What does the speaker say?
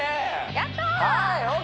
やったー！